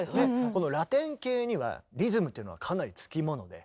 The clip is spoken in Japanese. このラテン系にはリズムというのはかなり付き物で。